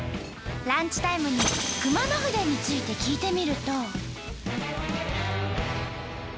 ランチタイムに熊野筆について聞いてみると。